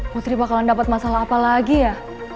mutri bakalan dapet masalah apa lagi ya